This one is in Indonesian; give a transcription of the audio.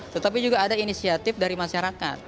tetapi juga ada inisiatif dari masyarakat